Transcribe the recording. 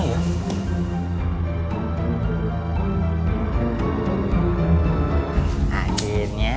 kau ada di mana ya